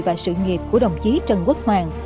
và sự nghiệp của đồng chí trần quốc hoàn